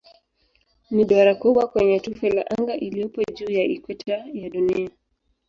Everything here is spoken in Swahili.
Ni duara kubwa kwenye tufe la anga iliyopo juu ya ikweta ya Dunia.